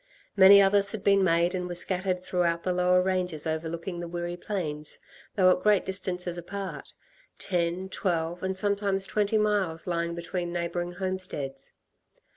Many others had been made and were scattered throughout the lower ranges overlooking the Wirree plains, though at great distances apart; ten, twelve and sometimes twenty miles lying between neighbouring homesteads.